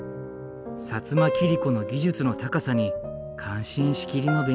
摩切子の技術の高さに感心しきりのベニシアさん。